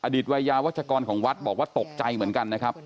ตวัยยาวัชกรของวัดบอกว่าตกใจเหมือนกันนะครับ